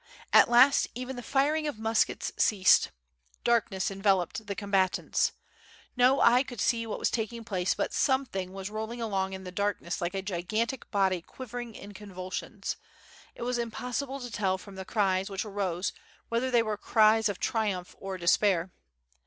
At last even the firing of muskets ceased. Darkness enveloped the combatants. No eye could see what was taking place but something was rolling along in the darkness like a gigantic body quivering in convulsions, it was impossible to tell from the cries which arose whether they were cries of triumph or despair.